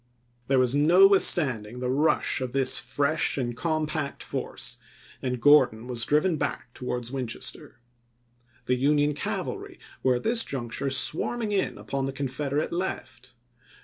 There was no withstanding the rush of this fresh and compact force, and Gordon was driven back towards Winchester. The Union cavalry were at this juncture swarming in upon the Con federate left.